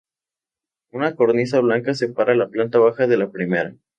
Una cornisa blanca separa la planta baja de la primera.